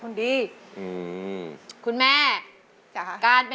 ครับ